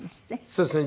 そうですね。